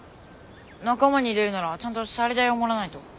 仲間に入れるならちゃんとシャリ代をもらわないと！